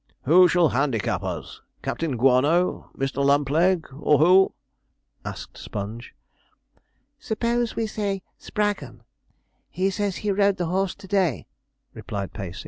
'Who shall handicap us? Captain Guano, Mr. Lumpleg, or who?' asked Sponge. 'Suppose we say Spraggon? he says he rode the horse to day,' replied Pacey.